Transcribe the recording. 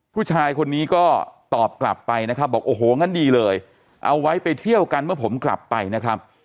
ผู้ชายคนนี้ก็ตอบกลับไปนะครับบอกโอ้โหงั้นดีเลยเอาไว้ไปเที่ยวกันเมื่อผมกลับไปนะครับ